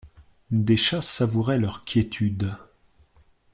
Des chats savouraient leur quiétude.